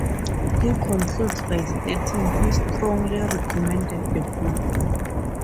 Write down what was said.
He concludes by stating he "strongly" recommended the book.